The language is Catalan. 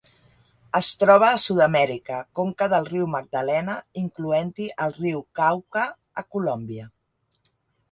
Es troba a Sud-amèrica: conca del riu Magdalena, incloent-hi el riu Cauca a Colòmbia.